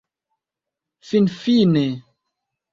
finfine